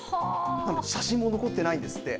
写真も残ってないんですって。